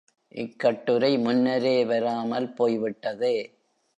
இக்கட்டுரை முன்னரே வராமல் போய்விட்டதே!